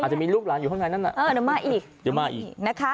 อาจจะมีลูกหลานอยู่ข้างในนั้นนะเออจะมาอีก